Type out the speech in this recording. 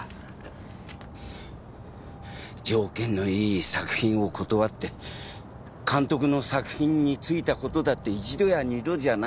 条件のいい作品を断って監督の作品についたことだって１度や２度じゃない。